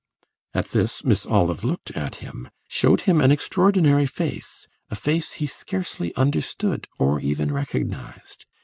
At this Miss Olive looked at him, showed him an extraordinary face, a face he scarcely understood or even recognised.